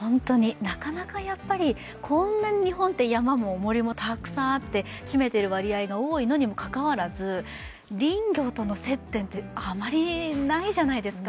なかなかこんなに日本で山も森もたくさんあって占めている割合が多いにもかかわらず林業との接点って、あまりないじゃないですか。